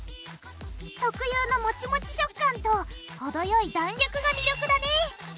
特有のモチモチ食感と程よい弾力が魅力だね！